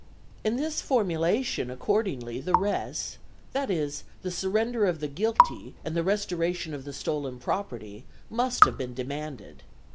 In this formula accordingly the res, that is, the surrender of the guilty and the restoration of the stolen property, must have been demanded.